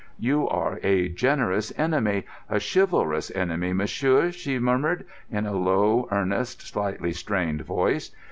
"You are a generous enemy, a chivalrous enemy, monsieur," she murmured, in a low, earnest, slightly strained voice.